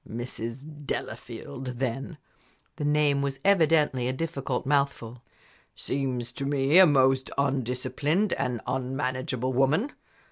"Mrs. Delafield, then" the name was evidently a difficult mouthful "seems to me a most undisciplined and unmanageable woman.